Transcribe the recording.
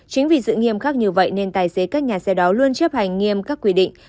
chính vì sự nghiêm khắc như vậy nên tài xế các nhà xe đó luôn chấp hành nghiêm các quy định